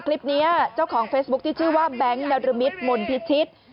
คลิปนี้เจ้าของเฟซบุ๊คที่ชื่อว่าแบงค์นรมิตมนพิชิต